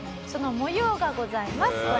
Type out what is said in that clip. その模様がございます。